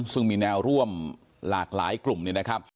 ซึ่งมีแนวร่วมหลากหลายกลุ่มเนี่ยนะครับ